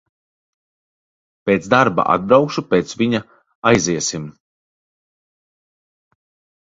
Pēc darba atbraukšu pēc viņa, aiziesim.